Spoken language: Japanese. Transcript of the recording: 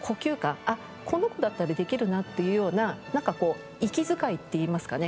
あっこの子だったらできるなっていうような息遣いっていいますかね